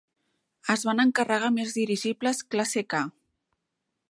Es van encarregar més dirigibles classe K.